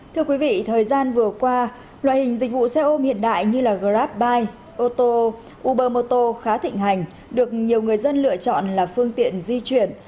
thưa quý vị thời gian vừa qua loại hình dịch vụ xe ôm hiện đại như grabbike ô tô ubermoto khá thịnh hành được nhiều người dân lựa chọn là phương tiện di chuyển